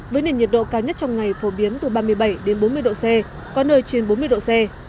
với nền nhiệt độ cao nhất trong ngày phổ biến từ ba mươi bảy bốn mươi độ c có nơi trên bốn mươi độ c